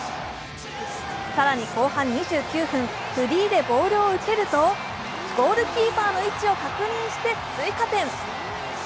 更に後半２９分、フリーでボールを受けるとゴールキーパーの位置を確認して追加点。